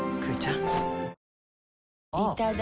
ん！